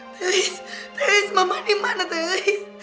teris teris mama dimana teris